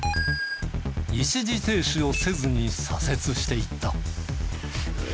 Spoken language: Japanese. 一時停止をせずに左折していった。